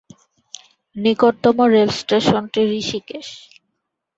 নিকটতম রেলস্টেশনটি ঋষিকেশ।